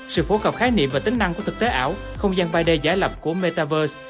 sự phổ cập khái niệm và tính năng của thực tế ảo không gian ba d giải lập của metaverse